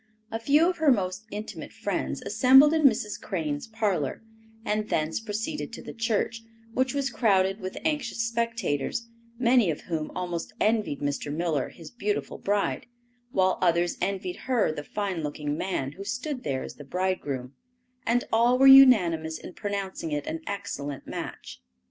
A few of her most intimate friends assembled in Mrs. Crane's parlor, and thence proceeded to the church, which was crowded with anxious spectators, many of whom almost envied Mr. Miller his beautiful bride, while others envied her the fine looking man who stood there as the bridegroom, and all were unanimous in pronouncing it an excellent match.